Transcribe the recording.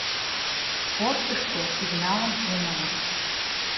Фортышто сигналым умылышт.